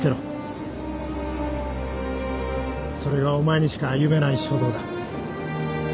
それがお前にしか歩めない書道だ。